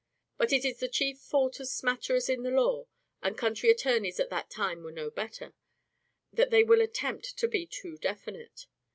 But it is the chief fault of smatterers in the law (and country attorneys at that time were no better) that they will attempt to be too definite.